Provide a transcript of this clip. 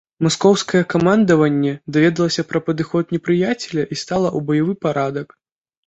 Маскоўскае камандаванне даведалася пра падыход непрыяцеля і стала ў баявы парадак.